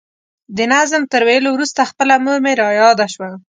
د نظم تر ویلو وروسته خپله مور مې را یاده شوه.